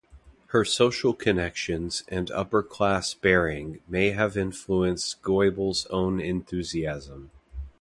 Her social connections and upper class bearing may have influenced Goebbels' own enthusiasm.